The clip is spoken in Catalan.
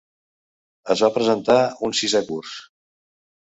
Es va presentar un sisè curs.